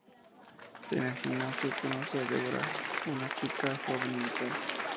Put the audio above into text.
En el gimnasio, conoce a Deborah, una chica joven y vital.